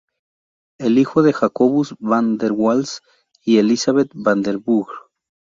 Hijo de Jacobus van der Waals y Elizabeth van den Burg.